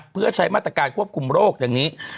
เพื่อใช้มาตรการควบคุมโรคดังนี้